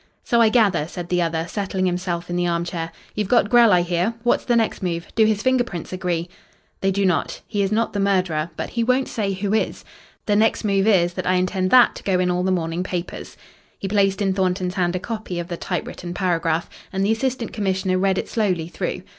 "So I gather," said the other, settling himself in the arm chair. "You've got Grell, I hear. What's the next move? Do his finger prints agree?" "They do not. He is not the murderer, but he won't say who is. The next move is, that I intend that to go in all the morning papers." He placed in Thornton's hand a copy of the typewritten paragraph, and the Assistant Commissioner read it slowly through.